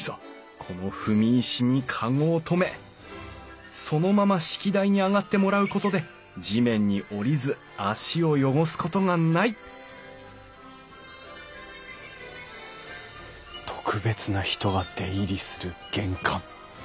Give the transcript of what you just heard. この踏み石にかごを止めそのまま式台に上がってもらうことで地面に降りず足を汚すことがない特別な人が出入りする玄関。